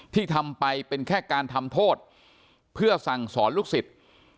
ที่ทำไปเป็นแค่การทำโทษเพื่อสั่งสอนลูกศิษย์